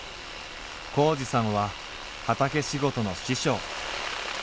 紘二さんは畑仕事の師匠。